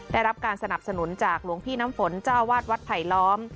ได้รับการสนับสนุนจากหลวงพี่น้ำฝนเจ้าวาดวัดไผลล้อม